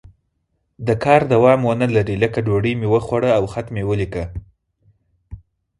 د کار دوام ونه لري لکه ډوډۍ مې وخوړه او خط مې ولیکه.